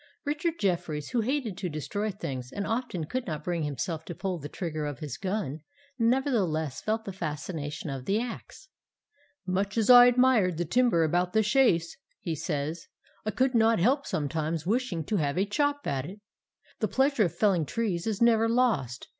Richard Jefferies, who hated to destroy things, and often could not bring himself to pull the trigger of his gun, nevertheless felt the fascination of the axe. 'Much as I admired the timber about the Chace,' he says, 'I could not help sometimes wishing to have a chop at it. The pleasure of felling trees is never lost.